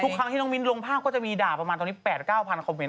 ทุกครั้งที่น้องมิ้นลงภาพก็จะมีด่าประมาณ๘๙๐๐๐คอมเมนต์